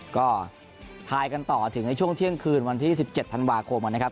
ก็ทายกันต่อถึงในช่วงเที่ยงคืนวันที่๑๗ธันวาคมนะครับ